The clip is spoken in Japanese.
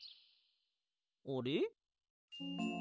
あれ？